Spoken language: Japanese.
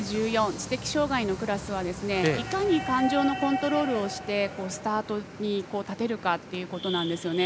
知的障がいのクラスはいかに感情のコントロールをしてスタートに立てるかということなんですよね。